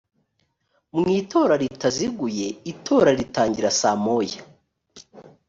mu itora ritaziguye itora ritangira saa moya .